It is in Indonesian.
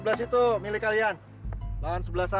masih lanjut vnd masa